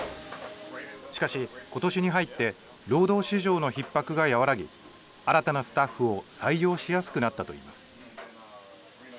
しかし、ことしに入って労働市場のひっ迫が和らぎ、新たなスタッフを採用しやすくなったといいます。